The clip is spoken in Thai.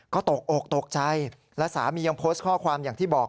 ก็ตกอกตกใจและสามียังโพสต์ข้อความอย่างที่บอก